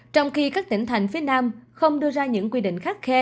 trong khi các tỉnh thành phía nam không đưa ra những quy định khắt khe